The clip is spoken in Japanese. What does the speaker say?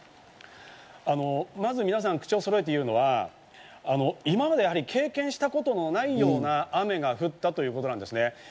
まず皆さん口をそろえて言うのは、今まで経験したことのないような雨が降ったということなんですね。